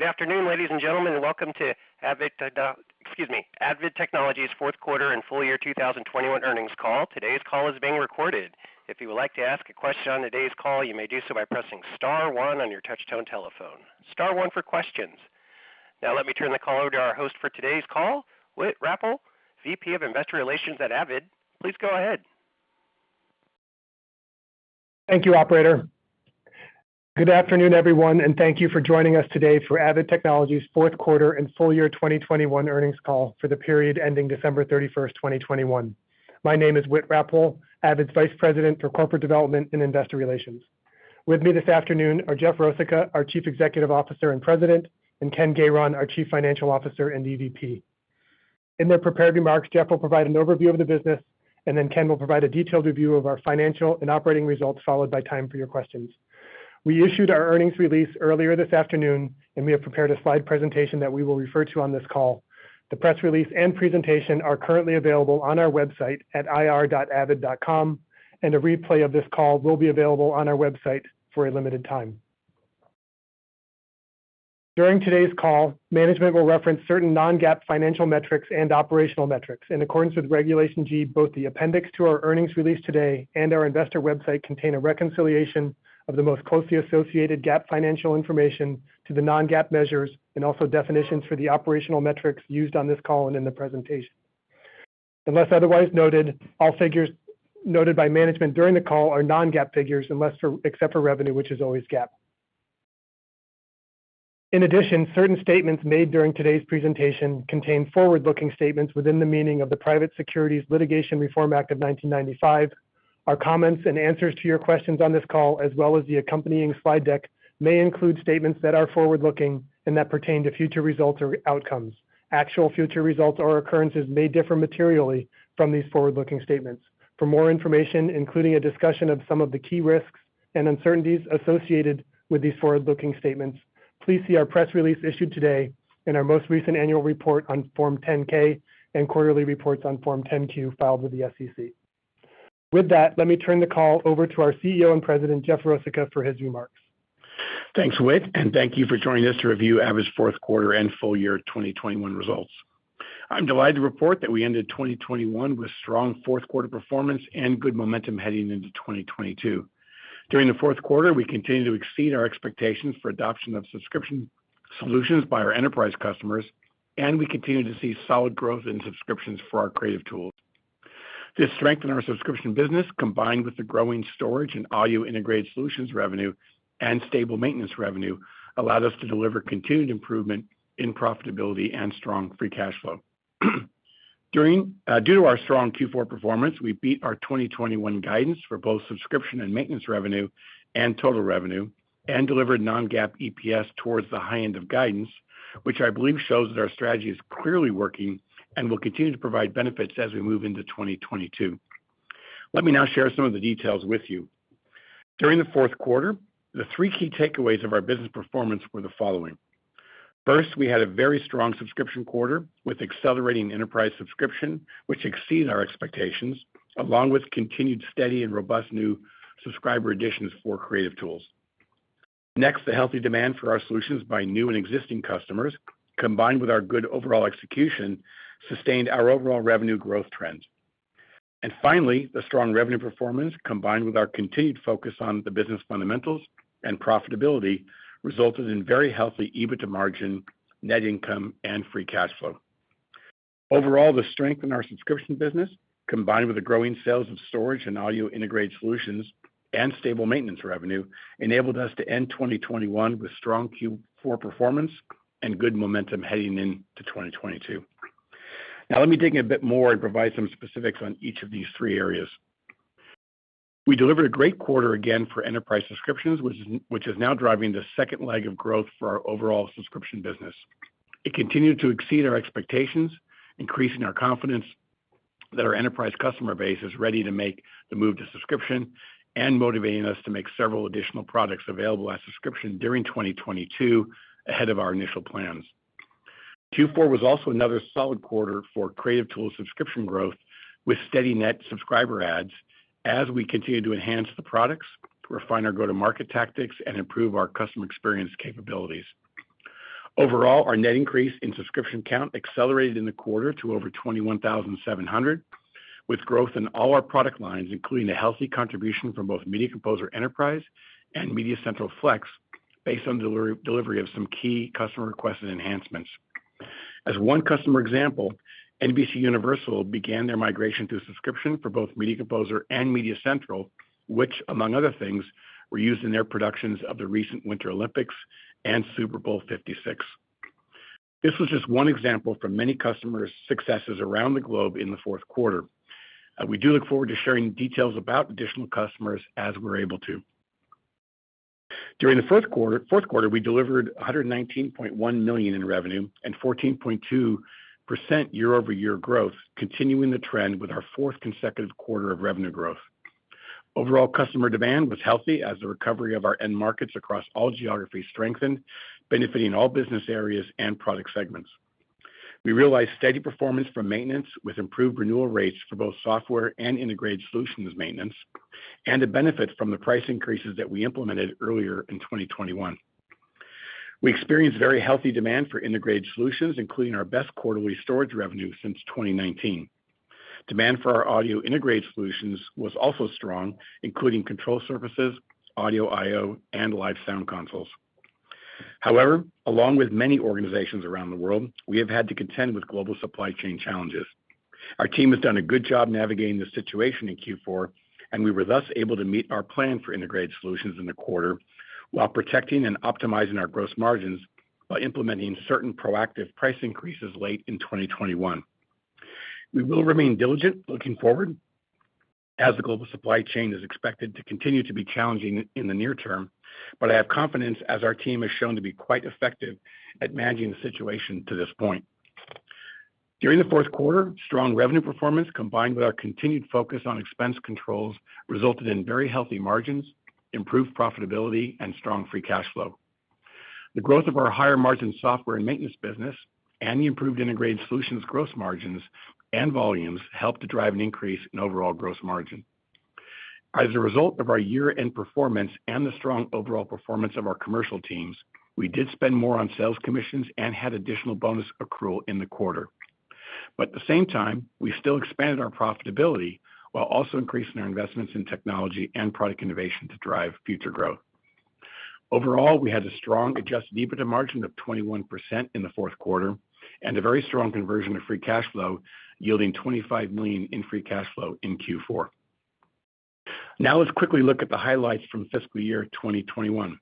Good afternoon, ladies and gentlemen, and welcome to Avid Technology's Fourth Quarter and Full Year 2021 Earnings Call. Today's call is being recorded. If you would like to ask a question on today's call, you may do so by pressing star one on your touchtone telephone. Star one for questions. Now, let me turn the call over to our host for today's call, Whit Rappole, VP of Investor Relations at Avid. Please go ahead. Thank you, operator. Good afternoon, everyone, and thank you for joining us today for Avid Technology's fourth quarter and full year 2021 earnings call for the period ending December 31st, 2021. My name is Whit Rappole, Avid's Vice President for Corporate Development and Investor Relations. With me this afternoon are Jeff Rosica, our Chief Executive Officer and President, and Ken Gayron, our Chief Financial Officer and EVP. In their prepared remarks, Jeff will provide an overview of the business, and then Ken will provide a detailed review of our financial and operating results, followed by time for your questions. We issued our earnings release earlier this afternoon, and we have prepared a slide presentation that we will refer to on this call. The press release and presentation are currently available on our website at ir.avid.com, and a replay of this call will be available on our website for a limited time. During today's call, management will reference certain non-GAAP financial metrics and operational metrics. In accordance with Regulation G, both the appendix to our earnings release today and our investor website contain a reconciliation of the most closely associated GAAP financial information to the non-GAAP measures and also definitions for the operational metrics used on this call and in the presentation. Unless otherwise noted, all figures noted by management during the call are non-GAAP figures except for revenue, which is always GAAP. In addition, certain statements made during today's presentation contain forward-looking statements within the meaning of the Private Securities Litigation Reform Act of 1995. Our comments and answers to your questions on this call, as well as the accompanying slide deck, may include statements that are forward-looking and that pertain to future results or outcomes. Actual future results or occurrences may differ materially from these forward-looking statements. For more information, including a discussion of some of the key risks and uncertainties associated with these forward-looking statements, please see our press release issued today in our most recent annual report on Form 10-K and quarterly reports on Form 10-Q filed with the SEC. With that, let me turn the call over to our CEO and President, Jeff Rosica, for his remarks. Thanks, Whit, and thank you for joining us to review Avid's fourth quarter and full-year 2021 results. I'm delighted to report that we ended 2021 with strong fourth quarter performance and good momentum heading into 2022. During the fourth quarter, we continued to exceed our expectations for adoption of subscription solutions by our enterprise customers, and we continued to see solid growth in subscriptions for our creative tools. This strength in our subscription business, combined with the growing storage and audio integrated solutions revenue and stable maintenance revenue, allowed us to deliver continued improvement in profitability and strong free cash flow. Due to our strong Q4 performance, we beat our 2021 guidance for both subscription and maintenance revenue and total revenue, and delivered non-GAAP EPS towards the high end of guidance, which I believe shows that our strategy is clearly working and will continue to provide benefits as we move into 2022. Let me now share some of the details with you. During the fourth quarter, the three key takeaways of our business performance were the following. First, we had a very strong subscription quarter with accelerating enterprise subscription, which exceeded our expectations, along with continued steady and robust new subscriber additions for creative tools. Next, the healthy demand for our solutions by new and existing customers, combined with our good overall execution, sustained our overall revenue growth trends. Finally, the strong revenue performance, combined with our continued focus on the business fundamentals and profitability, resulted in very healthy EBITDA margin, net income, and free cash flow. Overall, the strength in our subscription business, combined with the growing sales of storage and audio integrated solutions and stable maintenance revenue, enabled us to end 2021 with strong Q4 performance and good momentum heading into 2022. Now let me dig in a bit more and provide some specifics on each of these three areas. We delivered a great quarter again for enterprise subscriptions, which is now driving the second leg of growth for our overall subscription business. It continued to exceed our expectations, increasing our confidence that our enterprise customer base is ready to make the move to subscription and motivating us to make several additional products available as subscription during 2022 ahead of our initial plans. Q4 was also another solid quarter for creative tools subscription growth with steady net subscriber adds as we continued to enhance the products, refine our go-to-market tactics, and improve our customer experience capabilities. Overall, our net increase in subscription count accelerated in the quarter to over 21,700, with growth in all our product lines, including a healthy contribution from both Media Composer Enterprise and MediaCentral | Flex based on delivery of some key customer-requested enhancements. As one customer example, NBCUniversal began their migration to subscription for both Media Composer and MediaCentral, which among other things, were used in their productions of the recent Winter Olympics and Super Bowl LVI. This was just one example from many customers' successes around the globe in the fourth quarter. We do look forward to sharing details about additional customers as we're able to. During the fourth quarter, we delivered $119.1 million in revenue and 14.2% year-over-year growth, continuing the trend with our fourth consecutive quarter of revenue growth. Overall customer demand was healthy as the recovery of our end markets across all geographies strengthened, benefiting all business areas and product segments. We realized steady performance from maintenance with improved renewal rates for both software and integrated solutions maintenance, and the benefit from the price increases that we implemented earlier in 2021. We experienced very healthy demand for integrated solutions, including our best quarterly storage revenue since 2019. Demand for our audio integrated solutions was also strong, including control surfaces, audio I/O, and live sound consoles. However, along with many organizations around the world, we have had to contend with global supply chain challenges. Our team has done a good job navigating the situation in Q4, and we were thus able to meet our plan for integrated solutions in the quarter while protecting and optimizing our gross margins by implementing certain proactive price increases late in 2021. We will remain diligent looking forward as the global supply chain is expected to continue to be challenging in the near term, but I have confidence as our team has shown to be quite effective at managing the situation to this point. During the fourth quarter, strong revenue performance, combined with our continued focus on expense controls, resulted in very healthy margins, improved profitability, and strong free cash flow. The growth of our higher margin software and maintenance business and the improved integrated solutions gross margins and volumes helped to drive an increase in overall gross margin. As a result of our year-end performance and the strong overall performance of our commercial teams, we did spend more on sales commissions and had additional bonus accrual in the quarter. At the same time, we still expanded our profitability while also increasing our investments in technology and product innovation to drive future growth. Overall, we had a strong adjusted EBITDA margin of 21% in the fourth quarter and a very strong conversion of free cash flow, yielding $25 million in free cash flow in Q4. Now let's quickly look at the highlights from fiscal year 2021.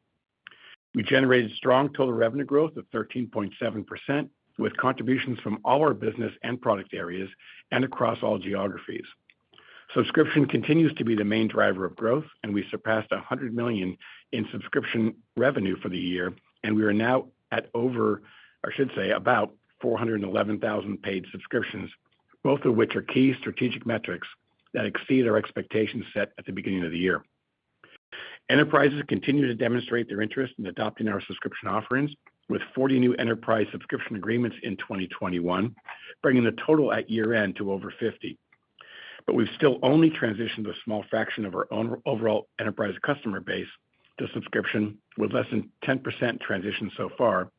We generated strong total revenue growth of 13.7%, with contributions from all our business and product areas and across all geographies. Subscription continues to be the main driver of growth, and we surpassed $100 million in subscription revenue for the year, and we are now at over, or I should say about 411,000 paid subscriptions, both of which are key strategic metrics that exceed our expectations set at the beginning of the year. Enterprises continue to demonstrate their interest in adopting our subscription offerings with 40 new enterprise subscription agreements in 2021, bringing the total at year-end to over 50. We've still only transitioned a small fraction of our own overall enterprise customer base to subscription, with less than 10% transitioned so far.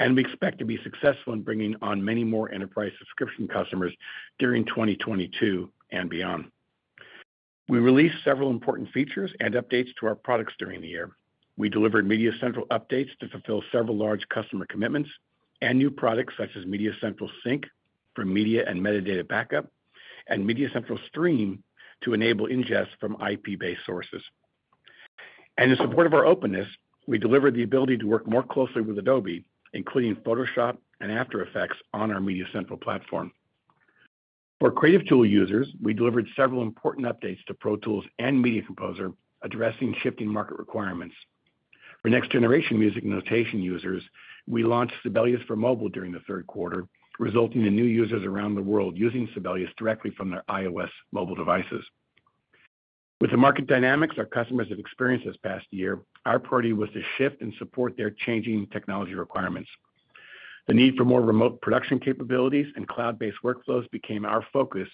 We expect to be successful in bringing on many more enterprise subscription customers during 2022 and beyond. We released several important features and updates to our products during the year. We delivered MediaCentral updates to fulfill several large customer commitments and new products such as MediaCentral Sync for media and metadata backup and MediaCentral Stream to enable ingest from IP-based sources. In support of our openness, we delivered the ability to work more closely with Adobe, including Photoshop and After Effects on our MediaCentral platform. For creative tool users, we delivered several important updates to Pro Tools and Media Composer addressing shifting market requirements. For next-generation music notation users, we launched Sibelius for mobile during the third quarter, resulting in new users around the world using Sibelius directly from their iOS mobile devices. With the market dynamics our customers have experienced this past year, our priority was to shift and support their changing technology requirements. The need for more remote production capabilities and cloud-based workflows became our focus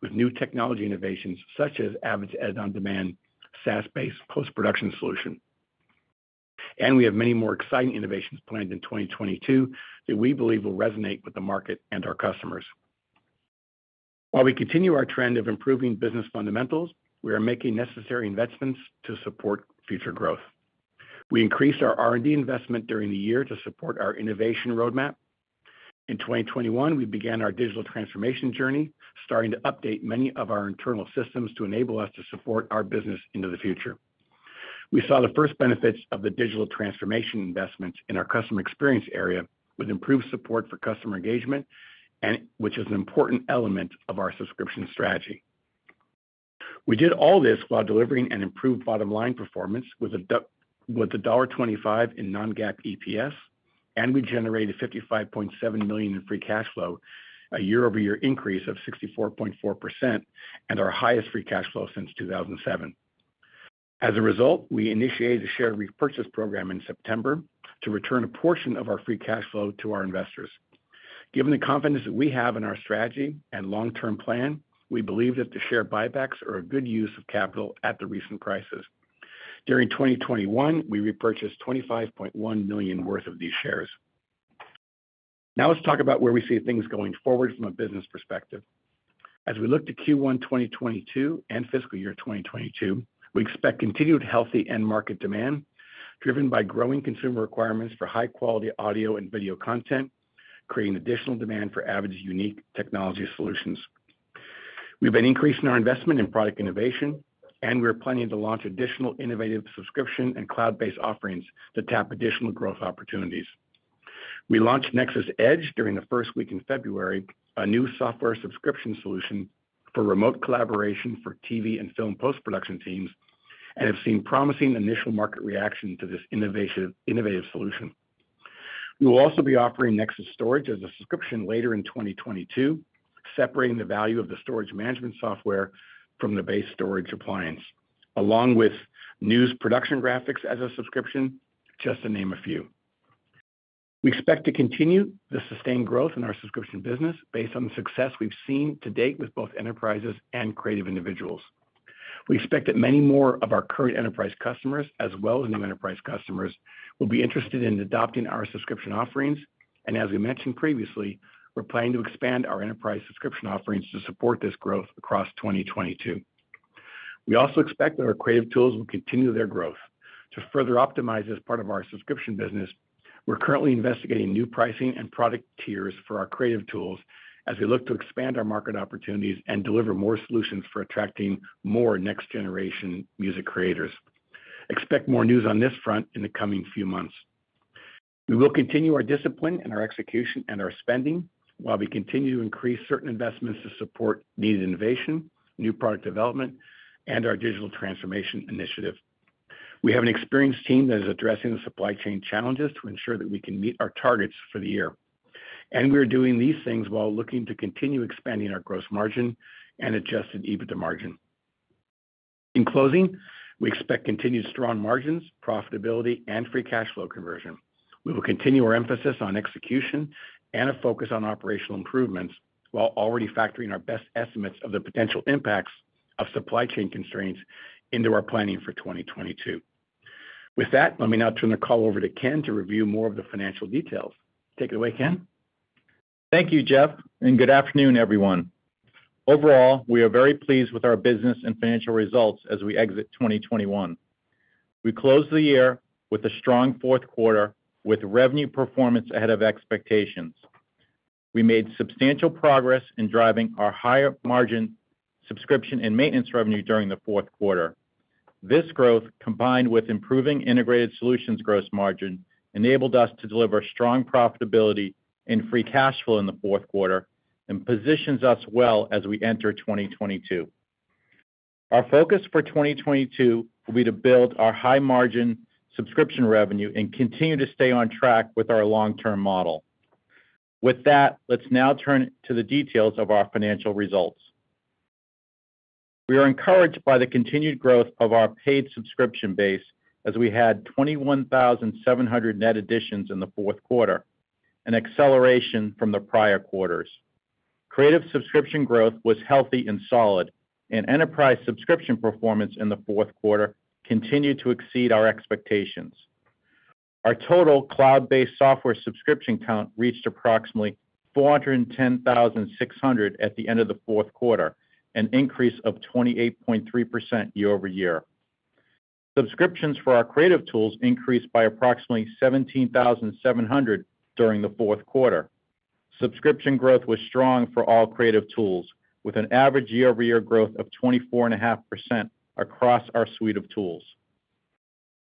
with new technology innovations such as Avid's Edit On Demand, SaaS-based post-production solution. We have many more exciting innovations planned in 2022 that we believe will resonate with the market and our customers. While we continue our trend of improving business fundamentals, we are making necessary investments to support future growth. We increased our R&D investment during the year to support our innovation roadmap. In 2021, we began our digital transformation journey, starting to update many of our internal systems to enable us to support our business into the future. We saw the first benefits of the digital transformation investments in our customer experience area with improved support for customer engagement, and which is an important element of our subscription strategy. We did all this while delivering an improved bottom-line performance with $1.25 in non-GAAP EPS, and we generated $55.7 million in free cash flow, a year-over-year increase of 64.4% and our highest free cash flow since 2007. As a result, we initiated a share repurchase program in September to return a portion of our free cash flow to our investors. Given the confidence that we have in our strategy and long-term plan, we believe that the share buybacks are a good use of capital at the recent prices. During 2021, we repurchased $25.1 million worth of these shares. Now let's talk about where we see things going forward from a business perspective. As we look to Q1 2022 and fiscal year 2022, we expect continued healthy end market demand, driven by growing consumer requirements for high-quality audio and video content, creating additional demand for Avid's unique technology solutions. We've been increasing our investment in product innovation, and we're planning to launch additional innovative subscription and cloud-based offerings to tap additional growth opportunities. We launched NEXIS | EDGE during the first week in February, a new software subscription solution for remote collaboration for TV and film post-production teams, and have seen promising initial market reaction to this innovation, innovative solution. We will also be offering Avid NEXIS as a subscription later in 2022, separating the value of the storage management software from the base storage appliance, along with news production graphics as a subscription. Just to name a few. We expect to continue the sustained growth in our subscription business based on the success we've seen to date with both enterprises and creative individuals. We expect that many more of our current enterprise customers, as well as new enterprise customers, will be interested in adopting our subscription offerings. As we mentioned previously, we're planning to expand our enterprise subscription offerings to support this growth across 2022. We also expect that our creative tools will continue their growth. To further optimize this part of our subscription business, we're currently investigating new pricing and product tiers for our creative tools as we look to expand our market opportunities and deliver more solutions for attracting more next-generation music creators. Expect more news on this front in the coming few months. We will continue our discipline and our execution and our spending while we continue to increase certain investments to support needed innovation, new product development, and our digital transformation initiative. We have an experienced team that is addressing the supply chain challenges to ensure that we can meet our targets for the year. We are doing these things while looking to continue expanding our gross margin and adjusted EBITDA margin. In closing, we expect continued strong margins, profitability, and free cash flow conversion. We will continue our emphasis on execution and a focus on operational improvements while already factoring our best estimates of the potential impacts of supply chain constraints into our planning for 2022. With that, let me now turn the call over to Ken to review more of the financial details. Take it away, Ken. Thank you, Jeff, and good afternoon, everyone. Overall, we are very pleased with our business and financial results as we exit 2021. We closed the year with a strong fourth quarter with revenue performance ahead of expectations. We made substantial progress in driving our higher margin subscription and maintenance revenue during the fourth quarter. This growth, combined with improving integrated solutions gross margin, enabled us to deliver strong profitability and free cash flow in the fourth quarter and positions us well as we enter 2022. Our focus for 2022 will be to build our high margin subscription revenue and continue to stay on track with our long-term model. With that, let's now turn to the details of our financial results. We are encouraged by the continued growth of our paid subscription base as we had 21,700 net additions in the fourth quarter, an acceleration from the prior quarters. Creative subscription growth was healthy and solid, and enterprise subscription performance in the fourth quarter continued to exceed our expectations. Our total cloud-based software subscription count reached approximately 410,600 at the end of the fourth quarter, an increase of 28.3% year-over-year. Subscriptions for our creative tools increased by approximately 17,700 during the fourth quarter. Subscription growth was strong for all creative tools, with an average year-over-year growth of 24.5% across our suite of tools.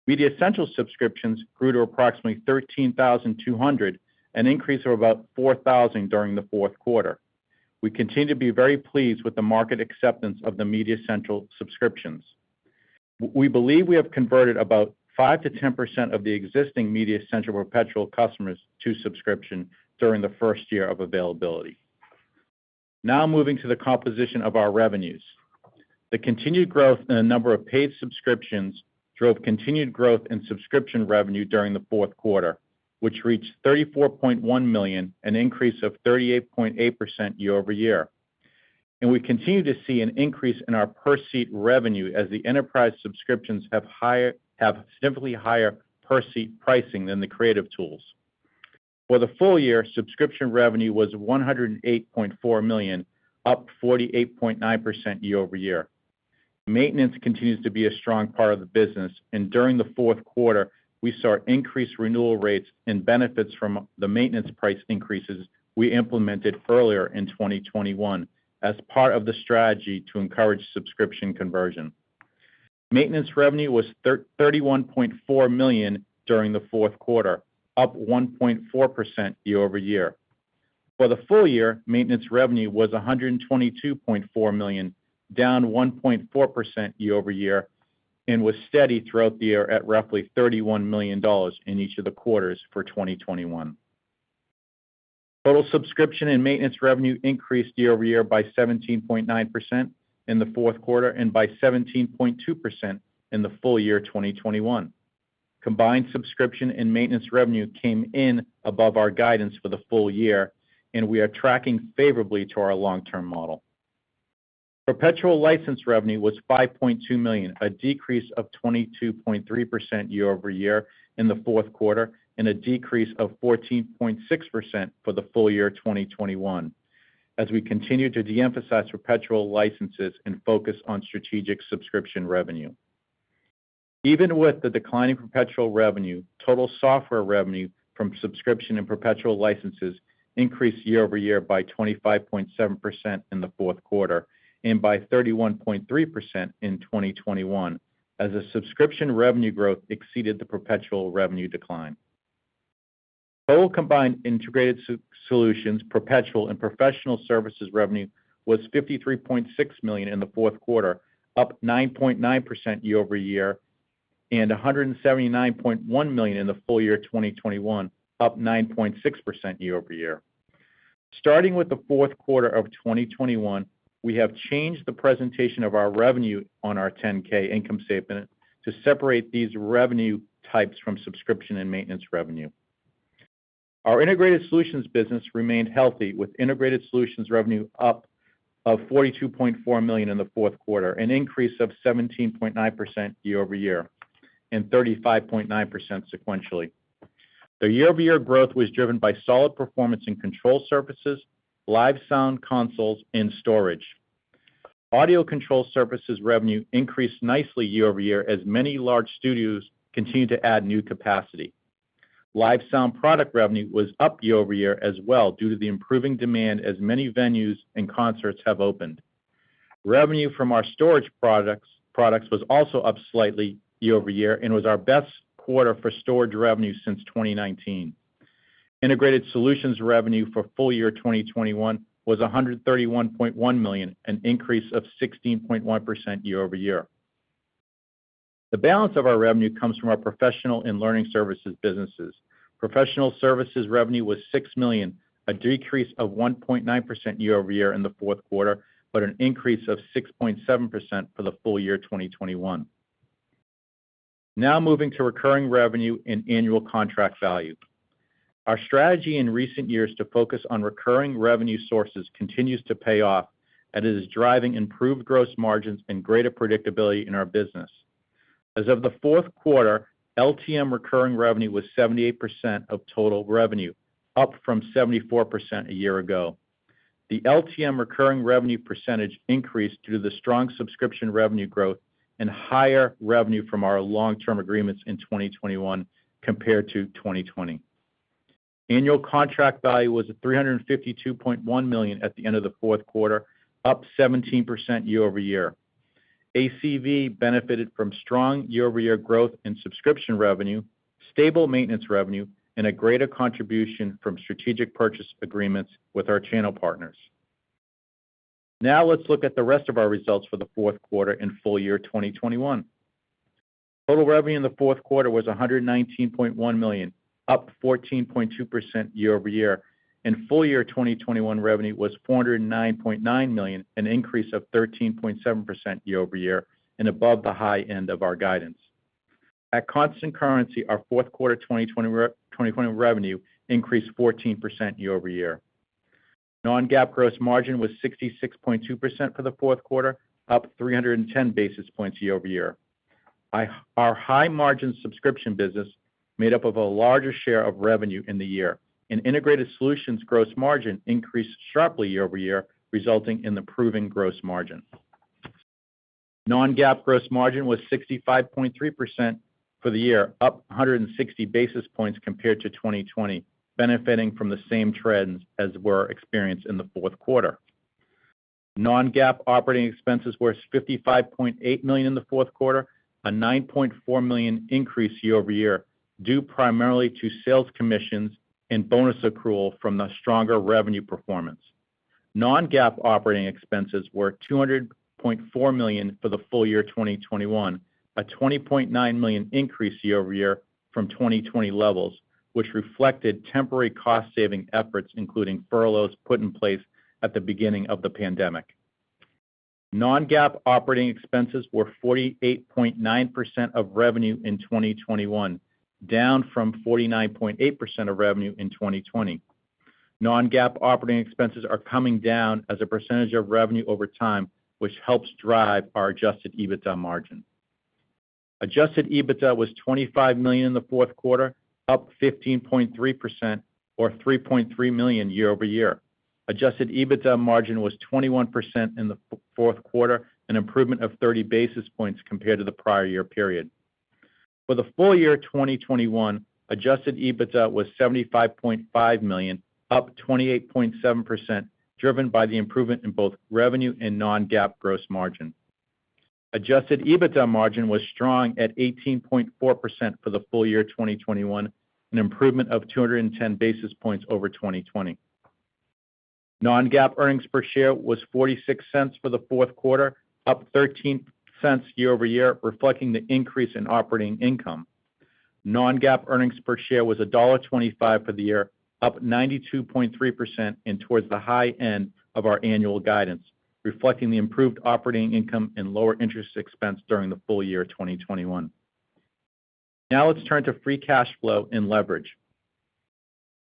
MediaCentral subscriptions grew to approximately 13,200, an increase of about 4,000 during the fourth quarter. We continue to be very pleased with the market acceptance of the MediaCentral subscriptions. We believe we have converted about 5%-10% of the existing MediaCentral perpetual customers to subscription during the first year of availability. Now moving to the composition of our revenues. The continued growth in the number of paid subscriptions drove continued growth in subscription revenue during the fourth quarter, which reached $34.1 million, an increase of 38.8% year-over-year. We continue to see an increase in our per-seat revenue as the enterprise subscriptions have significantly higher per-seat pricing than the creative tools. For the full year, subscription revenue was $108.4 million, up 48.9% year-over-year. Maintenance continues to be a strong part of the business, and during the fourth quarter, we saw increased renewal rates and benefits from the maintenance price increases we implemented earlier in 2021 as part of the strategy to encourage subscription conversion. Maintenance revenue was $31.4 million during the fourth quarter, up 1.4% year-over-year. For the full year, maintenance revenue was $122.4 million, down 1.4% year-over-year, and was steady throughout the year at roughly $31 million in each of the quarters for 2021. Total subscription and maintenance revenue increased year-over-year by 17.9% in the fourth quarter and by 17.2% in the full year 2021. Combined subscription and maintenance revenue came in above our guidance for the full year, and we are tracking favorably to our long-term model. Perpetual license revenue was $5.2 million, a decrease of 22.3% year-over-year in the fourth quarter and a decrease of 14.6% for the full year 2021 as we continue to de-emphasize perpetual licenses and focus on strategic subscription revenue. Even with the declining perpetual revenue, total software revenue from subscription and perpetual licenses increased year-over-year by 25.7% in the fourth quarter and by 31.3% in 2021 as the subscription revenue growth exceeded the perpetual revenue decline. Total combined integrated solutions, perpetual and professional services revenue was $53.6 million in the fourth quarter, up 9.9% year-over-year, and $179.1 million in the full year 2021, up 9.6% year-over-year. Starting with the fourth quarter of 2021, we have changed the presentation of our revenue on our 10-K income statement to separate these revenue types from subscription and maintenance revenue. Our integrated solutions business remained healthy with integrated solutions revenue of $42.4 million in the fourth quarter, an increase of 17.9% year-over-year and 35.9% sequentially. The year-over-year growth was driven by solid performance in control surfaces, live sound consoles and storage. Audio control surfaces revenue increased nicely year-over-year as many large studios continue to add new capacity. Live sound product revenue was up year-over-year as well due to the improving demand as many venues and concerts have opened. Revenue from our storage products was also up slightly year-over-year and was our best quarter for storage revenue since 2019. Integrated solutions revenue for full year 2021 was $131.1 million, an increase of 16.1% year-over-year. The balance of our revenue comes from our professional and learning services businesses. Professional services revenue was $6 million, a decrease of 1.9% year-over-year in the fourth quarter, but an increase of 6.7% for the full year 2021. Now moving to recurring revenue and annual contract value. Our strategy in recent years to focus on recurring revenue sources continues to pay off, and it is driving improved gross margins and greater predictability in our business. As of the fourth quarter, LTM recurring revenue was 78% of total revenue, up from 74% a year ago. The LTM recurring revenue percentage increased due to the strong subscription revenue growth and higher revenue from our long-term agreements in 2021 compared to 2020. Annual contract value was at $352.1 million at the end of the fourth quarter, up 17% year over year. ACV benefited from strong year over year growth in subscription revenue, stable maintenance revenue and a greater contribution from strategic purchase agreements with our channel partners. Now let's look at the rest of our results for the fourth quarter and full year 2021. Total revenue in the fourth quarter was $100.1 million, up 14.2% year-over-year, and full year 2021 revenue was $409.9 million, an increase of 13.7% year-over-year and above the high end of our guidance. At constant currency, our fourth quarter 2021 revenue increased 14% year-over-year. Non-GAAP gross margin was 66.2% for the fourth quarter, up 310 basis points year-over-year. Our high margin subscription business made up a larger share of revenue in the year. Integrated solutions gross margin increased sharply year-over-year, resulting in improving gross margin. Non-GAAP gross margin was 65.3% for the year, up 160 basis points compared to 2020, benefiting from the same trends as were experienced in the fourth quarter. Non-GAAP operating expenses were $55.8 million in the fourth quarter, a $9.4 million increase year-over-year, due primarily to sales commissions and bonus accrual from the stronger revenue performance. Non-GAAP operating expenses were $200.4 million for the full year 2021, a $20.9 million increase year-over-year from 2020 levels, which reflected temporary cost saving efforts, including furloughs put in place at the beginning of the pandemic. Non-GAAP operating expenses were 48.9% of revenue in 2021, down from 49.8% of revenue in 2020. Non-GAAP operating expenses are coming down as a percentage of revenue over time, which helps drive our adjusted EBITDA margin. Adjusted EBITDA was $25 million in the fourth quarter, up 15.3% or $3.3 million year over year. Adjusted EBITDA margin was 21% in the fourth quarter, an improvement of 30 basis points compared to the prior year period. For the full year 2021, adjusted EBITDA was $75.5 million, up 28.7%, driven by the improvement in both revenue and non-GAAP gross margin. Adjusted EBITDA margin was strong at 18.4% for the full year 2021, an improvement of 210 basis points over 2020. Non-GAAP earnings per share was $0.46 for the fourth quarter, up $0.13 year over year, reflecting the increase in operating income. Non-GAAP earnings per share was $1.25 for the year, up 92.3% and towards the high end of our annual guidance, reflecting the improved operating income and lower interest expense during the full year 2021. Now let's turn to free cash flow and leverage.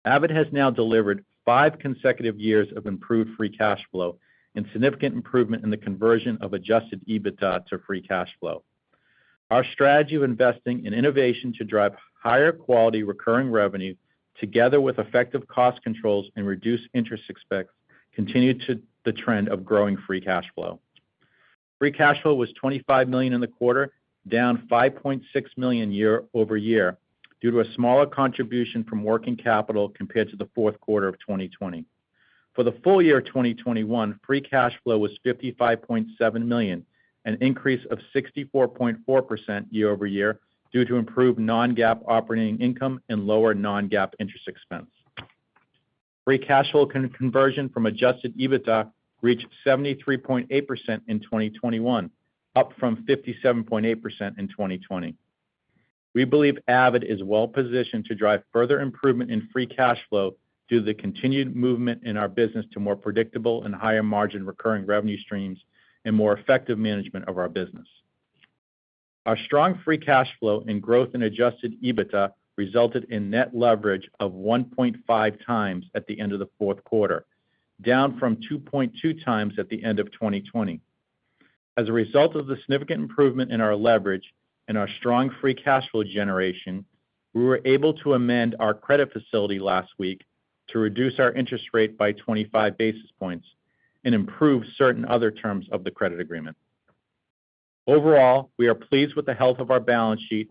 Avid has now delivered five consecutive years of improved free cash flow and significant improvement in the conversion of adjusted EBITDA to free cash flow. Our strategy of investing in innovation to drive higher quality recurring revenue together with effective cost controls and reduced interest expense contributed to the trend of growing free cash flow. Free cash flow was $25 million in the quarter, down $5.6 million year-over-year due to a smaller contribution from working capital compared to the fourth quarter of 2020. For the full year 2021, free cash flow was $55.7 million, an increase of 64.4% year-over-year due to improved non-GAAP operating income and lower non-GAAP interest expense. Free cash flow conversion from adjusted EBITDA reached 73.8% in 2021, up from 57.8% in 2020. We believe Avid is well-positioned to drive further improvement in free cash flow through the continued movement in our business to more predictable and higher margin recurring revenue streams and more effective management of our business. Our strong free cash flow and growth in adjusted EBITDA resulted in net leverage of 1.5 times at the end of the fourth quarter, down from 2.2 times at the end of 2020. As a result of the significant improvement in our leverage and our strong free cash flow generation, we were able to amend our credit facility last week to reduce our interest rate by 25 basis points and improve certain other terms of the credit agreement. Overall, we are pleased with the health of our balance sheet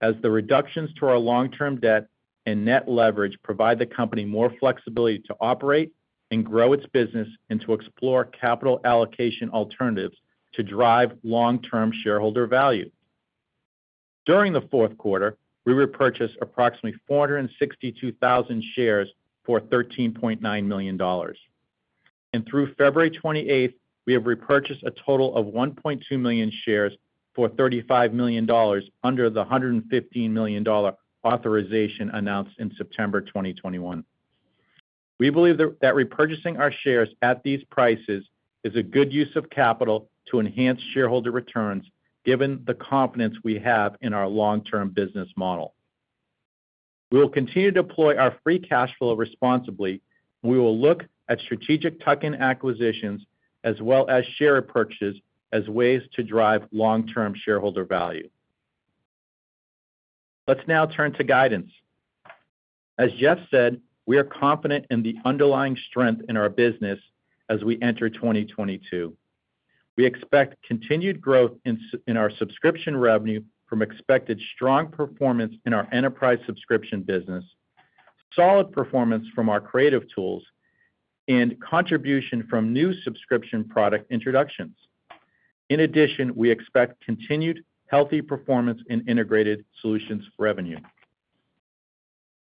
as the reductions to our long-term debt and net leverage provide the company more flexibility to operate and grow its business and to explore capital allocation alternatives to drive long-term shareholder value. During the fourth quarter, we repurchased approximately 462,000 shares for $13.9 million. Through February 28, we have repurchased a total of 1.2 million shares for $35 million under the $115 million authorization announced in September 2021. We believe that repurchasing our shares at these prices is a good use of capital to enhance shareholder returns given the confidence we have in our long-term business model. We will continue to deploy our free cash flow responsibly. We will look at strategic tuck-in acquisitions as well as share purchases as ways to drive long-term shareholder value. Let's now turn to guidance. As Jeff said, we are confident in the underlying strength in our business as we enter 2022. We expect continued growth in our subscription revenue from expected strong performance in our enterprise subscription business, solid performance from our creative tools, and contribution from new subscription product introductions. In addition, we expect continued healthy performance in integrated solutions revenue.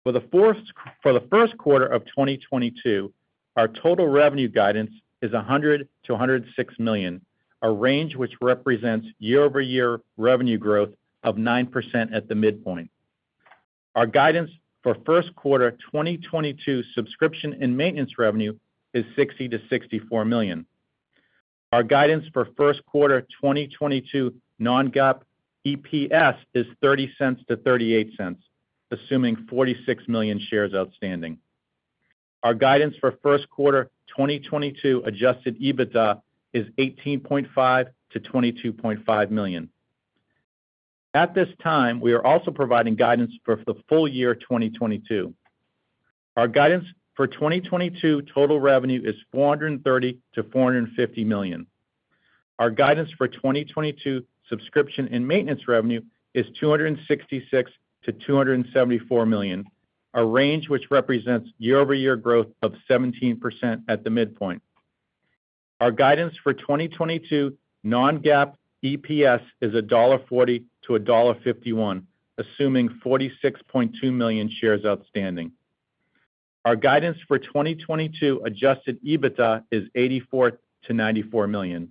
For the first quarter of 2022, our total revenue guidance is $100 million-$106 million, a range which represents year-over-year revenue growth of 9% at the midpoint. Our guidance for first quarter 2022 subscription and maintenance revenue is $60 million-$64 million. Our guidance for first quarter 2022 non-GAAP EPS is $0.30-$0.38, assuming 46 million shares outstanding. Our guidance for first quarter 2022 adjusted EBITDA is $18.5 million-$22.5 million. At this time, we are also providing guidance for the full year 2022. Our guidance for 2022 total revenue is $430 million-$450 million. Our guidance for 2022 subscription and maintenance revenue is $266 million-$274 million, a range which represents year-over-year growth of 17% at the midpoint. Our guidance for 2022 non-GAAP EPS is $1.40-$1.51, assuming 46.2 million shares outstanding. Our guidance for 2022 adjusted EBITDA is $84 million-$94 million.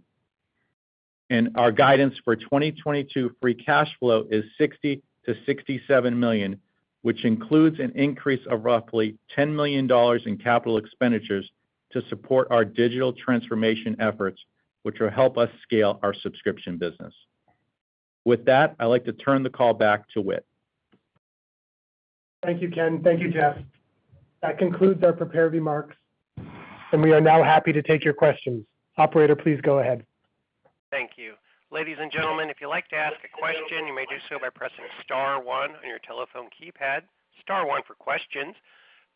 Our guidance for 2022 free cash flow is $60 million-$67 million, which includes an increase of roughly $10 million in capital expenditures to support our digital transformation efforts, which will help us scale our subscription business. With that, I'd like to turn the call back to Whit. Thank you, Ken. Thank you, Jeff. That concludes our prepared remarks, and we are now happy to take your questions. Operator, please go ahead. Thank you. Ladies and gentlemen, if you'd like to ask a question, you may do so by pressing star one on your telephone keypad. Star one for questions.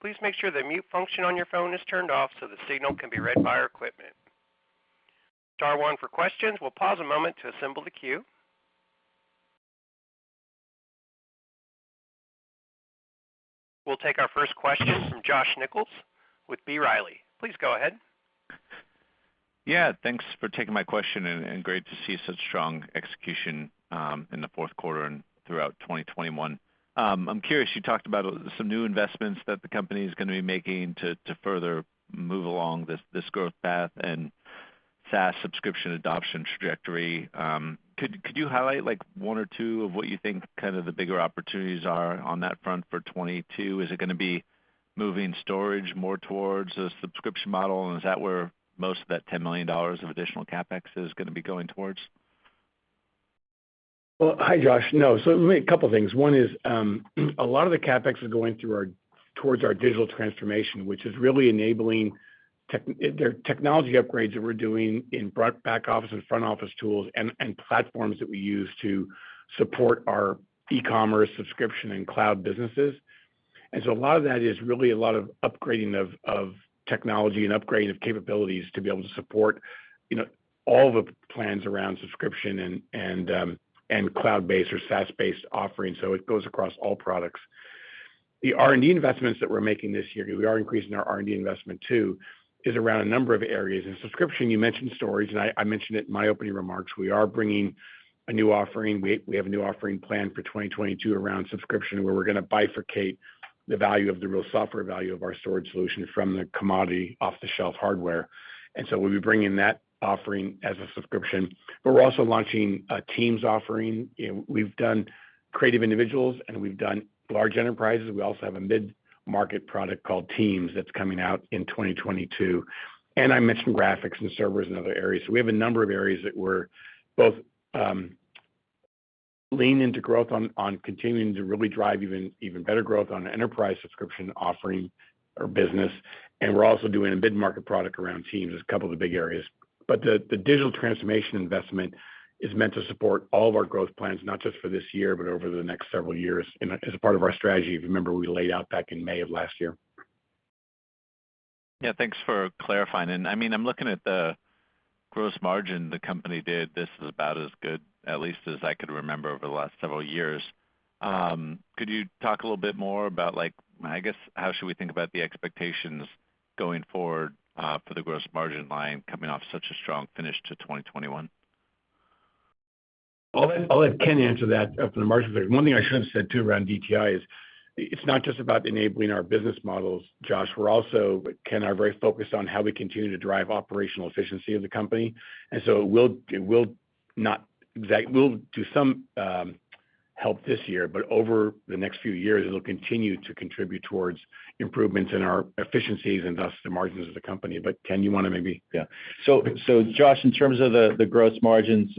Please make sure the mute function on your phone is turned off so the signal can be read by our equipment. Star one for questions. We'll pause a moment to assemble the queue. We'll take our first question from Josh Nichols with B. Riley. Please go ahead. Yeah, thanks for taking my question and great to see such strong execution in the fourth quarter and throughout 2021. I'm curious, you talked about some new investments that the company is gonna be making to further move along this growth path and SaaS subscription adoption trajectory. Could you highlight like one or two of what you think kind of the bigger opportunities are on that front for 2022? Is it gonna be moving storage more towards a subscription model? And is that where most of that $10 million of additional CapEx is gonna be going towards? Well, hi, Josh. No. Let me a couple things. One is, a lot of the CapEx is going through our, towards our digital transformation, which is really enabling technology upgrades that we're doing in back-office and front-office tools and platforms that we use to support our e-commerce subscription and cloud businesses. A lot of that is really a lot of upgrading of technology and upgrading of capabilities to be able to support, you know, all the plans around subscription and cloud-based or SaaS-based offerings. It goes across all products. The R&D investments that we're making this year, we are increasing our R&D investment too, is around a number of areas. In subscription, you mentioned storage, and I mentioned it in my opening remarks. We are bringing a new offering. We have a new offering planned for 2022 around subscription, where we're gonna bifurcate the value of the real software value of our storage solution from the commodity off-the-shelf hardware. We'll be bringing that offering as a subscription. We're also launching a Teams offering. You know, we've done creative individuals, and we've done large enterprises. We also have a mid-market product called Teams that's coming out in 2022. I mentioned graphics and servers and other areas. We have a number of areas that we're both leaning into growth on continuing to really drive even better growth on enterprise subscription offering or business. We're also doing a mid-market product around Teams is a couple of the big areas. The digital transformation investment is meant to support all of our growth plans, not just for this year, but over the next several years as a part of our strategy, if you remember, we laid out back in May of last year. Yeah, thanks for clarifying. I mean, I'm looking at the gross margin the company did. This is about as good, at least as I could remember, over the last several years. Could you talk a little bit more about like, I guess, how should we think about the expectations going forward, for the gross margin line coming off such a strong finish to 2021? I'll let Ken answer that from the margin. One thing I should have said, too, around DTI is it's not just about enabling our business models, Josh. Ken and I are very focused on how we continue to drive operational efficiency of the company. It will, to some, help this year, but over the next few years, it'll continue to contribute towards improvements in our efficiencies and thus the margins of the company. Ken, you wanna maybe. Yeah. Josh, in terms of the gross margins,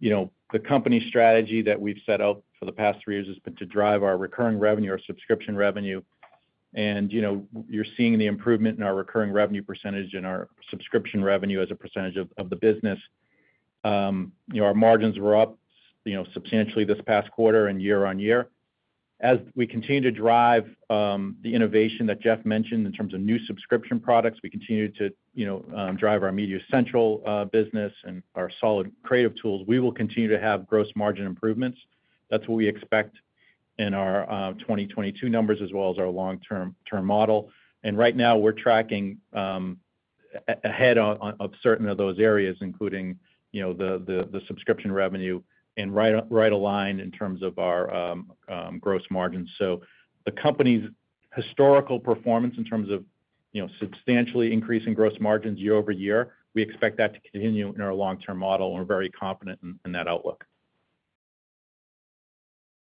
you know, the company strategy that we've set out for the past three years has been to drive our recurring revenue, our subscription revenue. You know, you're seeing the improvement in our recurring revenue percentage and our subscription revenue as a percentage of the business. You know, our margins were up, you know, substantially this past quarter and year-on-year. As we continue to drive the innovation that Jeff mentioned in terms of new subscription products, we continue to, you know, drive our MediaCentral business and our solid creative tools. We will continue to have gross margin improvements. That's what we expect in our 2022 numbers as well as our long-term model. Right now we're tracking ahead of certain of those areas, including, you know, the subscription revenue and right aligned in terms of our gross margins. The company's historical performance in terms of, you know, substantially increasing gross margins year over year, we expect that to continue in our long-term model. We're very confident in that outlook.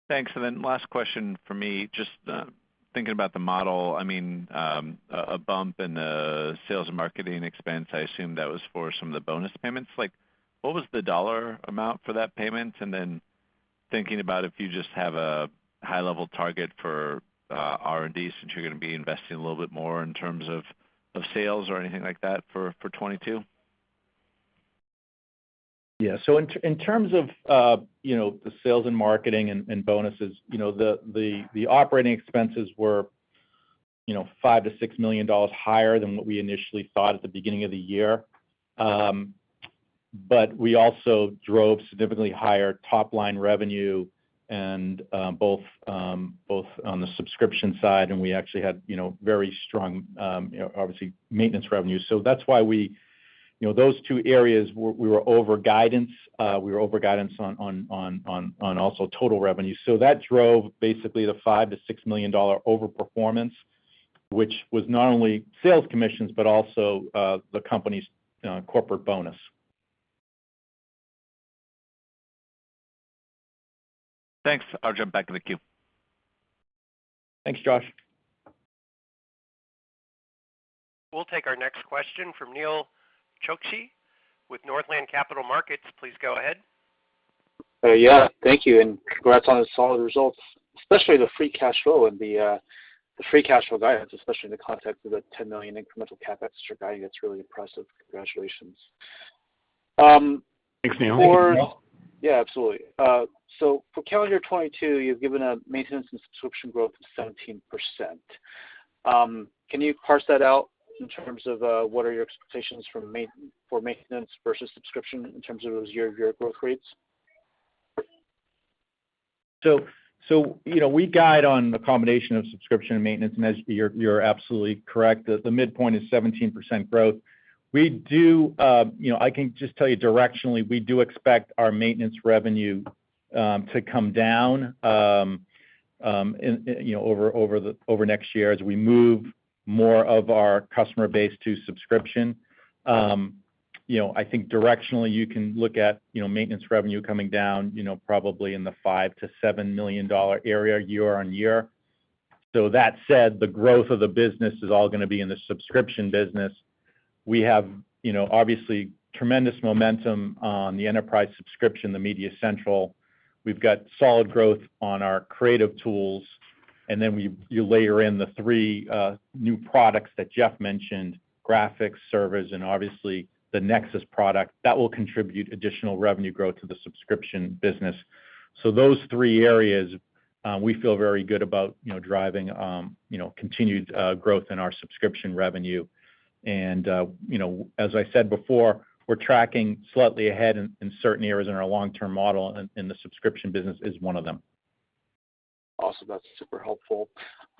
Thanks. Last question for me, just thinking about the model, I mean, a bump in the sales and marketing expense, I assume that was for some of the bonus payments. Like, what was the dollar amount for that payment? Then thinking about if you just have a high-level target for R&D since you're gonna be investing a little bit more in terms of sales or anything like that for 2022. Yeah. In terms of you know the sales and marketing and bonuses you know the operating expenses were you know $5 million-$6 million higher than what we initially thought at the beginning of the year. But we also drove significantly higher top-line revenue and both on the subscription side and we actually had you know very strong obviously maintenance revenues. That's why you know those two areas we were over guidance. We were over guidance on also total revenue. That drove basically the $5 million-$6 million overperformance which was not only sales commissions but also the company's corporate bonus. Thanks. I'll jump back to the queue. Thanks, Josh. We'll take our next question from Nehal Chokshi with Northland Capital Markets. Please go ahead. Yeah. Thank you, and congrats on the solid results, especially the free cash flow and the free cash flow guidance, especially in the context of the $10 million incremental CapEx you're guiding. That's really impressive. Congratulations. Thanks, Nehal. Yeah, absolutely. For calendar 2022, you've given a maintenance and subscription growth of 17%. Can you parse that out in terms of what are your expectations for maintenance versus subscription in terms of those year-over-year growth rates? You know, we guide on the combination of subscription and maintenance, and as you're absolutely correct. The midpoint is 17% growth. We do, you know, I can just tell you directionally. We do expect our maintenance revenue to come down, and you know, over next year as we move more of our customer base to subscription. You know, I think directionally, you can look at maintenance revenue coming down, you know, probably in the $5 million-$7 million area year-over-year. That said, the growth of the business is all gonna be in the subscription business. We have, you know, obviously tremendous momentum on the enterprise subscription, the MediaCentral. We've got solid growth on our creative tools, and then you layer in the three new products that Jeff mentioned, graphics, service, and obviously the NEXIS product. That will contribute additional revenue growth to the subscription business. Those three areas, we feel very good about, you know, driving, you know, continued growth in our subscription revenue. You know, as I said before, we're tracking slightly ahead in certain areas in our long-term model, and the subscription business is one of them. Awesome. That's super helpful.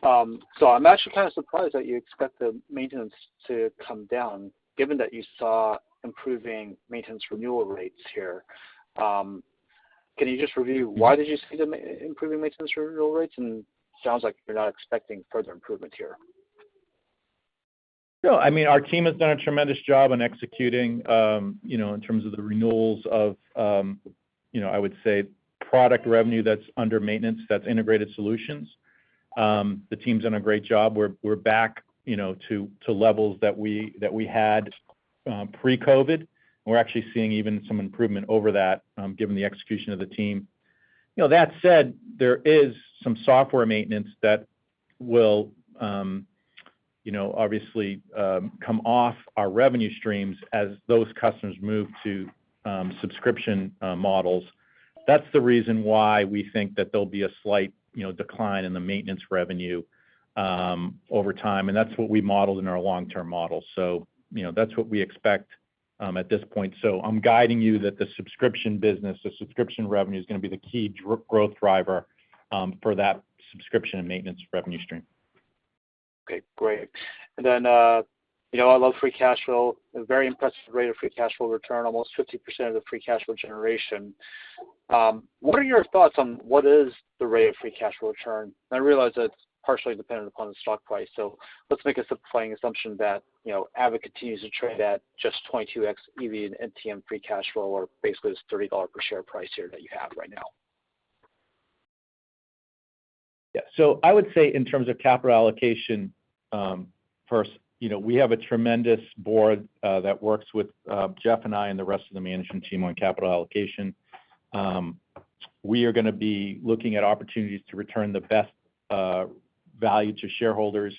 I'm actually kind of surprised that you expect the maintenance to come down given that you saw improving maintenance renewal rates here. Can you just review why did you see improving maintenance renewal rates? Sounds like you're not expecting further improvement here. No. I mean, our team has done a tremendous job on executing, you know, in terms of the renewals of, you know, I would say product revenue that's under maintenance, that's integrated solutions. The team's done a great job. We're back, you know, to levels that we had pre-COVID. We're actually seeing even some improvement over that, given the execution of the team. You know, that said, there is some software maintenance that will, you know, obviously, come off our revenue streams as those customers move to subscription models. That's the reason why we think that there'll be a slight, you know, decline in the maintenance revenue over time, and that's what we modeled in our long-term model. You know, that's what we expect at this point. So, I'm guiding you that the subscription business, the subscription revenue is gonna be the key growth driver for that subscription and maintenance revenue stream. Okay, great. Then, you know, I love free cash flow, a very impressive rate of free cash flow return, almost 50% of the free cash flow generation. What are your thoughts on what is the rate of free cash flow return? I realize that it's partially dependent upon the stock price, so let's make a simplifying assumption that, you know, Avid continues to trade at just 22x EV and NTM free cash flow, or basically this $30 per share price here that you have right now. Yeah. I would say in terms of capital allocation, first, you know, we have a tremendous board that works with Jeff and I and the rest of the management team on capital allocation. We are gonna be looking at opportunities to return the best value to shareholders,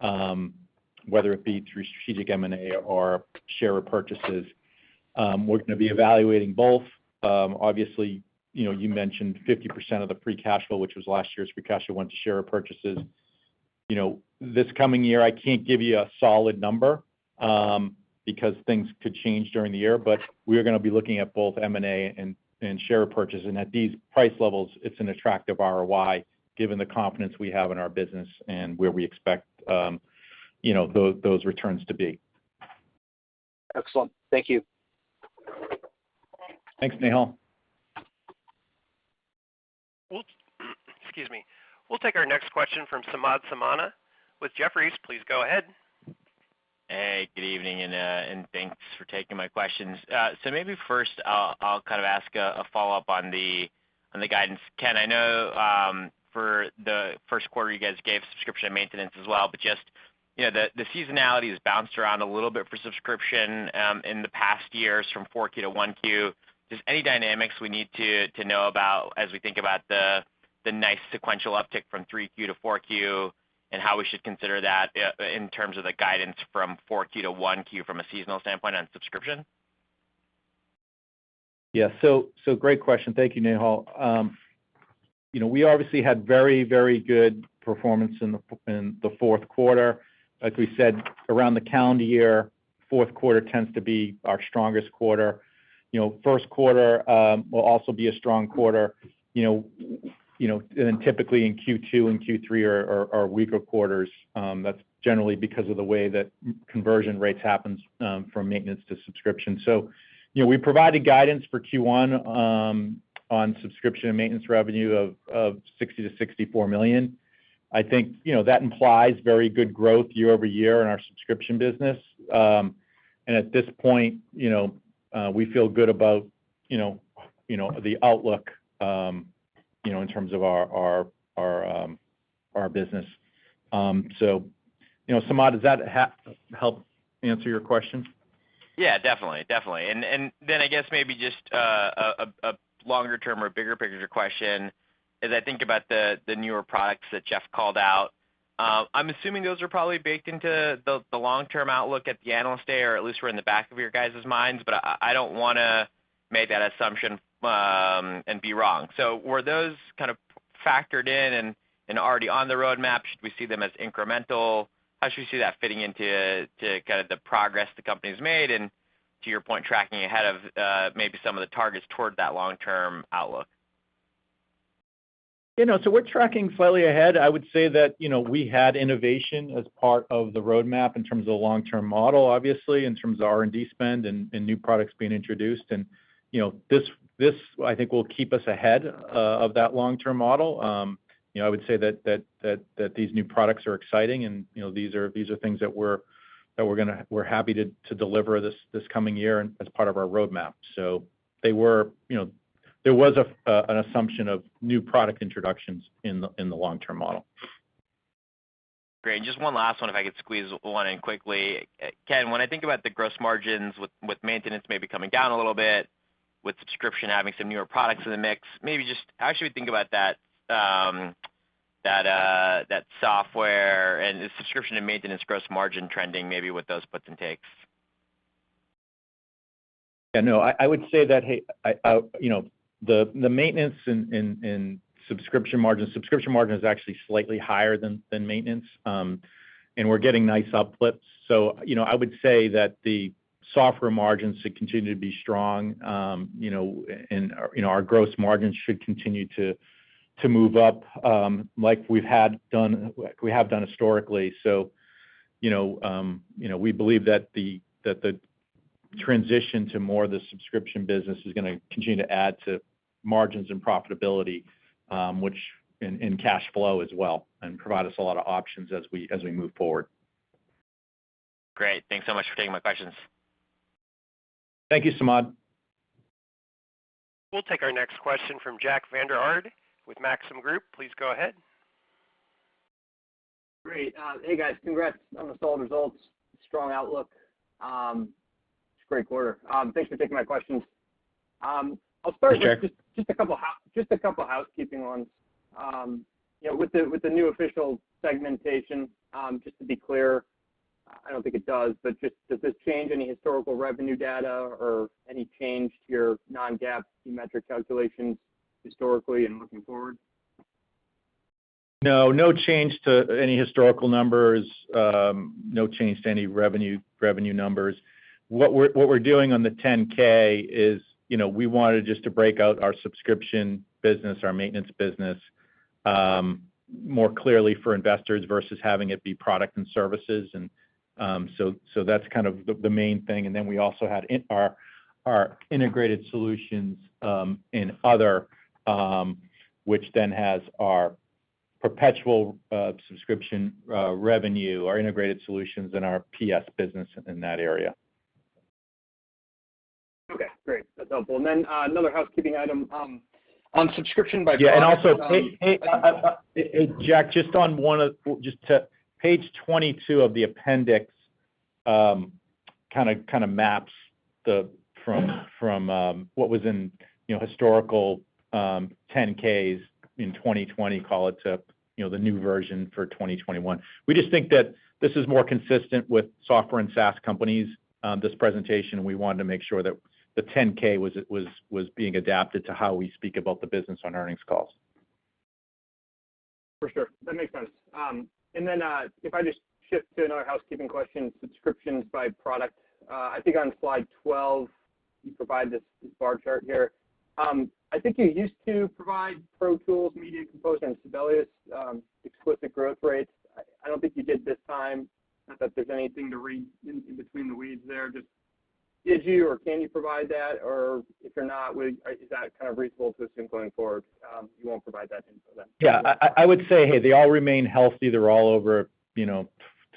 whether it be through strategic M&A or share repurchases. We're gonna be evaluating both. Obviously, you know, you mentioned 50% of the free cash flow, which was last year's free cash flow, went to share repurchases. You know, this coming year, I can't give you a solid number because things could change during the year, but we are gonna be looking at both M&A and share purchase. At these price levels, it's an attractive ROI, given the confidence we have in our business and where we expect, you know, those returns to be. Excellent. Thank you. Thanks, Nehal. Excuse me. We'll take our next question from Samad Samana with Jefferies. Please go ahead. Hey, good evening, and thanks for taking my questions. Maybe first I'll kind of ask a follow-up on the guidance. Ken, I know for the first quarter, you guys gave subscription and maintenance as well, but just you know the seasonality has bounced around a little bit for subscription in the past years from 4Q to 1Q. Just any dynamics we need to know about as we think about the nice sequential uptick from 3Q to 4Q and how we should consider that in terms of the guidance from 4Q to 1Q from a seasonal standpoint on subscription? Yeah. Great question. Thank you, Samad. You know, we obviously had very good performance in the fourth quarter. Like we said, around the calendar year, fourth quarter tends to be our strongest quarter. You know, first quarter will also be a strong quarter. You know, and typically in Q2 and Q3 are weaker quarters, that's generally because of the way that conversion rates happens from maintenance to subscription. You know, we provided guidance for Q1 on subscription and maintenance revenue of $60 million-$64 million. I think, you know, that implies very good growth year-over-year in our subscription business. At this point, you know, we feel good about you know, the outlook, you know, in terms of our business. You know, Samad, does that help answer your question? Yeah, definitely. Then I guess maybe just a longer term or bigger picture question, as I think about the newer products that Jeff called out. I'm assuming those are probably baked into the long-term outlook at the Analyst Day, or at least we're in the back of your guys' minds, but I don't wanna make that assumption and be wrong. Were those kind of factored in and already on the roadmap? Should we see them as incremental? How should we see that fitting into to kind of the progress the company's made and, to your point, tracking ahead of maybe some of the targets towards that long-term outlook? You know, we're tracking slightly ahead. I would say that, you know, we had innovation as part of the roadmap in terms of the long-term model, obviously, in terms of R&D spend and new products being introduced. You know, this I think will keep us ahead of that long-term model. You know, I would say that these new products are exciting and, you know, these are things that we're happy to deliver this coming year and as part of our roadmap. You know, there was an assumption of new product introductions in the long-term model. Great. Just one last one if I could squeeze one in quickly. Ken, when I think about the gross margins with maintenance maybe coming down a little bit, with subscription having some newer products in the mix, maybe just how should we think about that software and the subscription and maintenance gross margin trending, maybe with those puts and takes? Yeah, no. I would say that, hey, I, you know, the maintenance and subscription margin is actually slightly higher than maintenance, and we're getting nice uplifts. You know, I would say that the software margins should continue to be strong, you know, and our gross margins should continue to move up, like we have done historically. You know, we believe that the transition to more of the subscription business is gonna continue to add to margins and profitability, income and cash flow as well, and provide us a lot of options as we move forward. Great. Thanks so much for taking my questions. Thank you, Samad. We'll take our next question from Jack Vander Aarde with Maxim Group. Please go ahead. Great. Hey, guys. Congrats on the solid results. Strong outlook. It's a great quarter. Thanks for taking my questions. I'll start with- Hey, Jack Just a couple housekeeping ones. You know, with the new official segmentation, just to be clear, I don't think it does, but just does this change any historical revenue data or any change to your non-GAAP key metric calculations historically and looking forward? No change to any historical numbers. No change to any revenue numbers. What we're doing on the 10-K is, you know, we wanted just to break out our subscription business, our maintenance business more clearly for investors versus having it be product and services and, so that's kind of the main thing. We also had our integrated solutions and other, which then has our perpetual subscription revenue, our integrated solutions, and our PS business in that area. Okay, great. That's helpful. Another housekeeping item on subscription by- Yeah. Hey, Jack, just to page 22 of the appendix, kinda maps that from what was in, you know, historical 10-Ks in 2020, call it to the new version for 2021. We just think that this is more consistent with software and SaaS companies, this presentation, and we wanted to make sure that the 10-K was being adapted to how we speak about the business on earnings calls. For sure. That makes sense. If I just shift to another housekeeping question, subscriptions by product. I think on slide 12, you provide this bar chart here. I think you used to provide Pro Tools, Media Composer, and Sibelius explicit growth rates. I don't think you did this time. Not that there's anything to read between the lines there. Just, did you or can you provide that? Or if you're not, is that kind of reasonable to assume going forward, you won't provide that info then? Yeah. I would say, hey, they all remain healthy. They're all over, you know,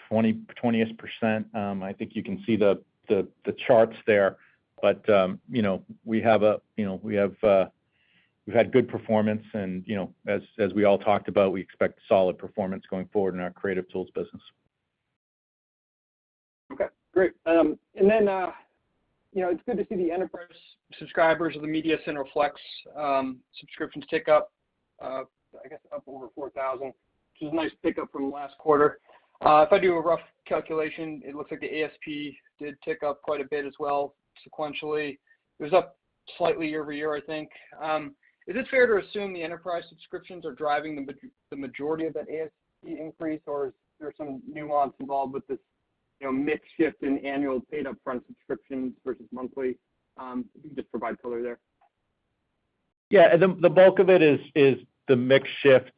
20%. I think you can see the charts there. You know, we've had good performance and, you know, as we all talked about, we expect solid performance going forward in our creative tools business. Okay, great. And then, you know, it's good to see the enterprise subscribers of the MediaCentral | Flex subscriptions tick up, I guess up over 4,000, which is a nice tick up from last quarter. If I do a rough calculation, it looks like the ASP did tick up quite a bit as well sequentially. It was up slightly year-over-year, I think. Is it fair to assume the enterprise subscriptions are driving the majority of that ASP increase, or is there some nuance involved with this, you know, mix shift in annual paid-up-front subscriptions versus monthly? If you can just provide color there? Yeah. The bulk of it is the mix shift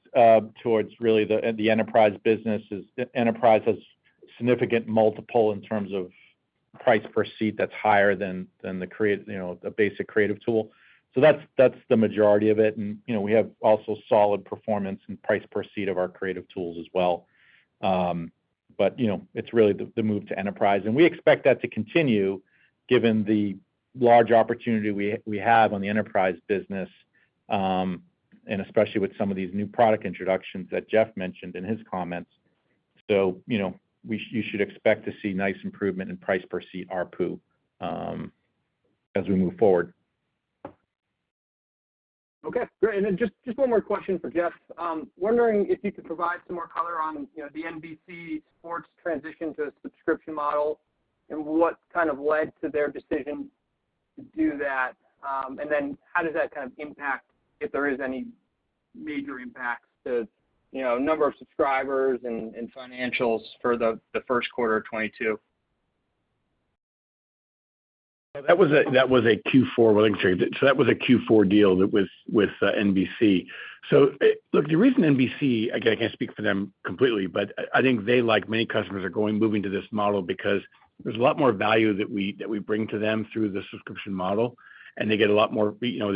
towards really the enterprise business. The enterprise has significant multiple in terms of price per seat that's higher than you know, the basic creative tool. That's the majority of it. You know, we have also solid performance in price per seat of our creative tools as well. You know, it's really the move to enterprise. We expect that to continue given the large opportunity we have on the enterprise business, and especially with some of these new product introductions that Jeff mentioned in his comments. You know, you should expect to see nice improvement in price per seat ARPU as we move forward. Okay, great. Just one more question for Jeff. I'm wondering if you could provide some more color on, you know, the NBC Sports transition to a subscription model and what kind of led to their decision to do that. How does that kind of impact, if there is any major impacts to, you know, number of subscribers and financials for the first quarter of 2022? That was a Q4 deal that was with NBC. Look, the reason NBC, again, I can't speak for them completely, but I think they, like many customers, are moving to this model because there's a lot more value that we bring to them through the subscription model, and they get a lot more, you know.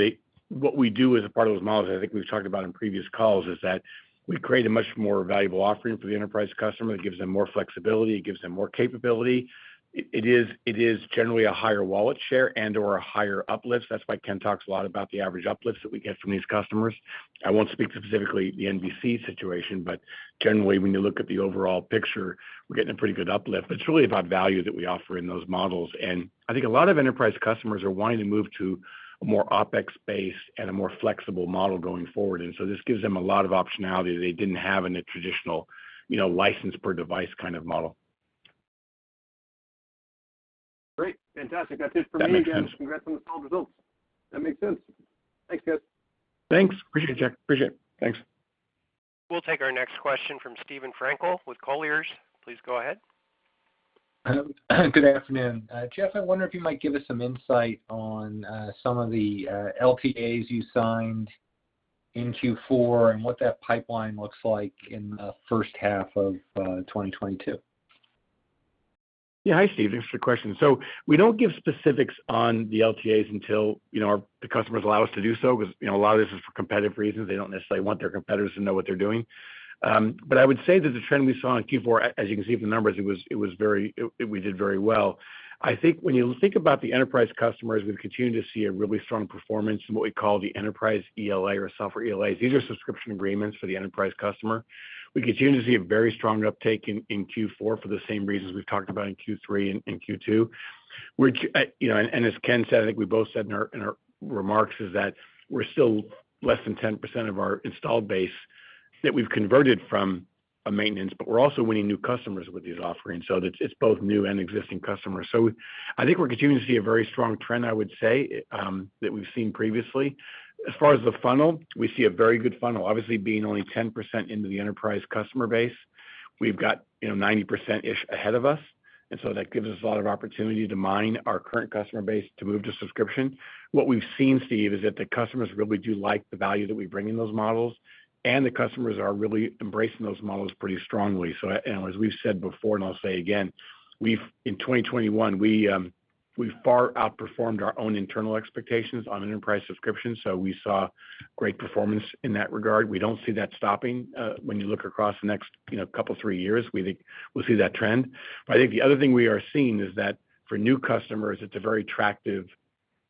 What we do as a part of those models, I think we've talked about in previous calls, is that we create a much more valuable offering for the enterprise customer. It gives them more flexibility, it gives them more capability. It is generally a higher wallet share and/or a higher uplifts. That's why Ken talks a lot about the average uplifts that we get from these customers. I won't speak specifically the NBC situation, but generally, when you look at the overall picture, we're getting a pretty good uplift. It's really about value that we offer in those models. I think a lot of enterprise customers are wanting to move to a more OpEx-based and a more flexible model going forward. This gives them a lot of optionality they didn't have in a traditional, you know, license per device kind of model. Great. Fantastic. That's it for me. That makes sense? Congrats on the solid results. That makes sense. Thanks, guys. Thanks. Appreciate it Jack. Appreciate it. Thanks. We'll take our next question from Steven Frankel with Colliers. Please go ahead. Good afternoon. Jeff, I wonder if you might give us some insight on some of the LTAs you signed in Q4 and what that pipeline looks like in the first half of 2022? Hi, Steven. Thanks for the question. We don't give specifics on the LTAs until, you know, our customers allow us to do so because, you know, a lot of this is for competitive reasons. They don't necessarily want their competitors to know what they're doing. I would say that the trend we saw in Q4, as you can see from the numbers, we did very well. I think when you think about the enterprise customers, we've continued to see a really strong performance in what we call the enterprise ELA or software ELAs. These are subscription agreements for the enterprise customer. We continue to see a very strong uptake in Q4 for the same reasons we've talked about in Q3 and Q2, which, as Ken said, I think we both said in our remarks, is that we're still less than 10% of our installed base that we've converted from a maintenance, but we're also winning new customers with these offerings. That it's both new and existing customers. I think we're continuing to see a very strong trend, I would say, that we've seen previously. As far as the funnel, we see a very good funnel. Obviously, being only 10% into the enterprise customer base, we've got, you know, 90%-ish ahead of us, and that gives us a lot of opportunity to mine our current customer base to move to subscription. What we've seen, Steven, is that the customers really do like the value that we bring in those models, and the customers are really embracing those models pretty strongly. As we've said before, and I'll say again, in 2021 we far outperformed our own internal expectations on an enterprise subscription, so we saw great performance in that regard. We don't see that stopping. When you look across the next, you know, couple, three years, we think we'll see that trend. I think the other thing we are seeing is that for new customers, it's a very attractive,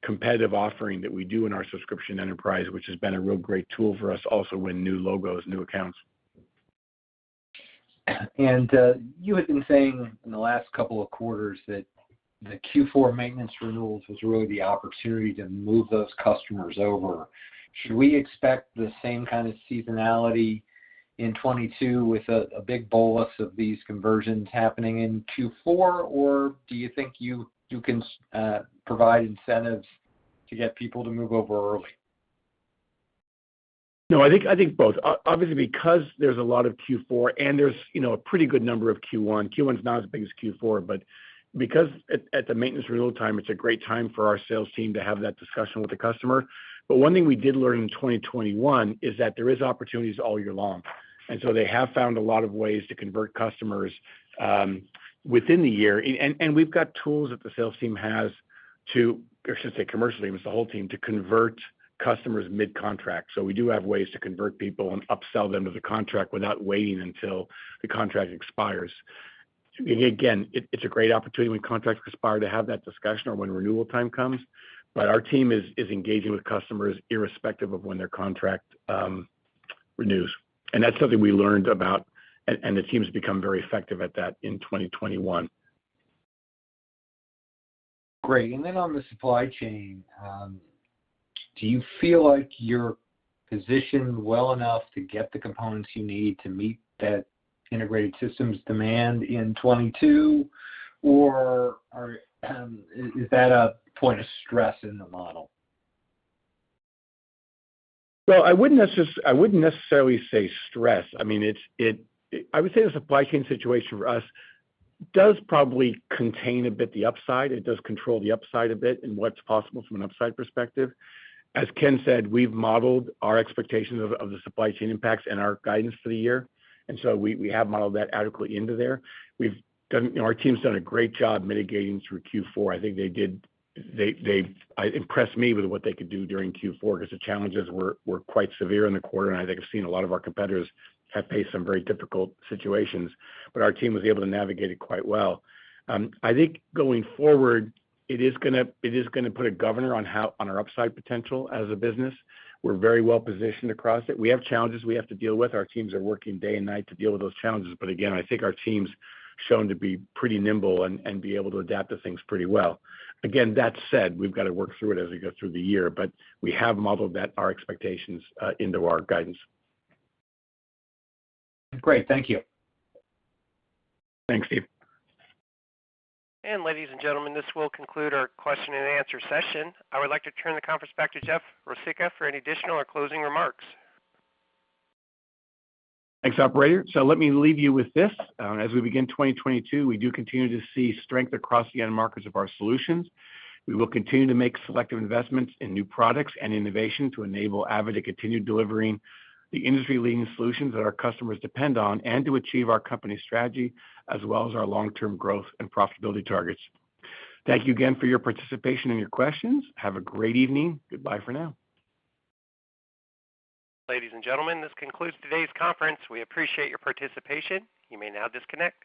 competitive offering that we do in our subscription enterprise, which has been a real great tool for us also win new logos, new accounts. You had been saying in the last couple of quarters that the Q4 maintenance renewals was really the opportunity to move those customers over. Should we expect the same kind of seasonality in 2022 with a big bolus of these conversions happening in Q4, or do you think you can provide incentives to get people to move over early? No, I think both. Obviously, because there's a lot of Q4 and there's, you know, a pretty good number of Q1. Q1 is not as big as Q4, but because at the maintenance renewal time, it's a great time for our sales team to have that discussion with the customer. One thing we did learn in 2021 is that there is opportunities all year long. They have found a lot of ways to convert customers within the year. We've got tools that the sales team has. I should say commercially, it was the whole team to convert customers mid-contract. We do have ways to convert people and upsell them to the contract without waiting until the contract expires. Again, it's a great opportunity when contracts expire to have that discussion or when renewal time comes, but our team is engaging with customers irrespective of when their contract renews. That's something we learned about, and the team's become very effective at that in 2021. Great. On the supply chain, do you feel like you're positioned well enough to get the components you need to meet that integrated systems demand in 2022, or is that a point of stress in the model? Well, I wouldn't necessarily say stress. I mean, it's. I would say the supply chain situation for us does probably contain a bit the upside. It does control the upside a bit and what's possible from an upside perspective. As Ken said, we've modeled our expectations of the supply chain impacts and our guidance for the year, and so we have modeled that adequately into there. We've done, you know, our team's done a great job mitigating through Q4. I think they impressed me with what they could do during Q4 'cause the challenges were quite severe in the quarter, and I think I've seen a lot of our competitors have faced some very difficult situations, but our team was able to navigate it quite well. I think going forward, it is gonna put a governor on how on our upside potential as a business. We're very well-positioned across it. We have challenges we have to deal with. Our teams are working day and night to deal with those challenges. But again, I think our team's shown to be pretty nimble and be able to adapt to things pretty well. Again, that said, we've got to work through it as we go through the year, but we have modeled that, our expectations, into our guidance. Great. Thank you. Thank you. Ladies and gentlemen, this will conclude our question and answer session. I would like to turn the conference back to Jeff Rosica for any additional or closing remarks. Thanks, operator. Let me leave you with this. As we begin 2022, we do continue to see strength across the end markets of our solutions. We will continue to make selective investments in new products and innovation to enable Avid to continue delivering the industry-leading solutions that our customers depend on and to achieve our company strategy as well as our long-term growth and profitability targets. Thank you again for your participation and your questions. Have a great evening. Goodbye for now. Ladies and gentlemen, this concludes today's conference. We appreciate your participation. You may now disconnect.